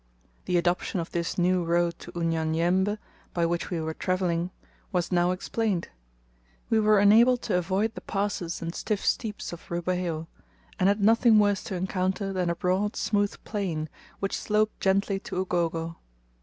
The adoption of this new road to Unyanyembe by which we were travelling was now explained we were enabled to avoid the passes and stiff steeps of Rubeho, and had nothing worse to encounter than a broad smooth plain, which sloped gently to Ugogo.